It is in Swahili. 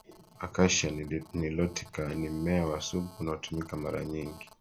Acacia nilotica ni mmea wa supu unaotumika mara nyingi